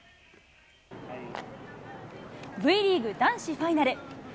Ｖリーグ男子ファイナル。